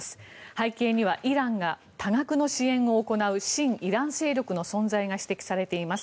背景にはイランが多額の支援を行う親イラン勢力の存在が指摘されています。